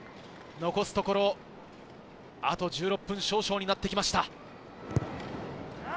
残すところあと１６分少々になってきました。